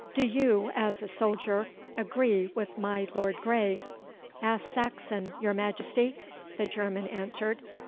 'Do you, as a soldier, agree with my Lord Grey?' 'Ask Saxon, your Majesty,' the German answered.